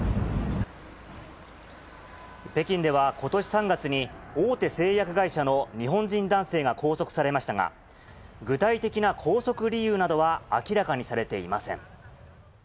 北京では、ことし３月に大手製薬会社の日本人男性が拘束されましたが、具体的な拘束理由などは明らかにされていません。